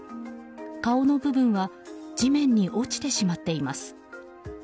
顔の部分は地面に落ちてしまっています。